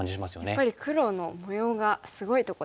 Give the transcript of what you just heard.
やっぱり黒の模様がすごいとこですもんね。